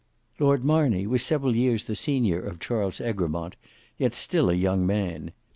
Lord Marney was several years the senior of Charles Egremont, yet still a young man.